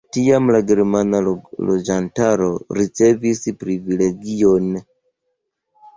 Tiam la germana loĝantaro ricevis privilegiojn.